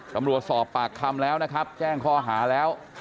ตำรวจสอบปากคำแล้วแจ้งคอหาแล้ว